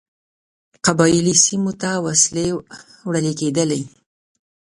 قبایلي سیمو ته وسلې وړلې کېدلې.